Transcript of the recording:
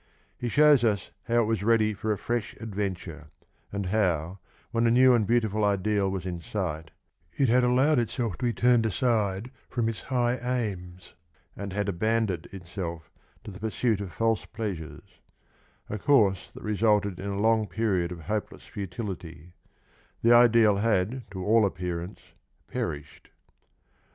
?Ie shows us how it was ready for a fresh adventure, and how, when a new and beautiful ideal was in sight, it had allowed itself to be turned aside from its high aims, and had abandoned itself to the pursuit of false pleasures — a course that resulted in a long period of hopeless futility : the ideal had to all appearance perished.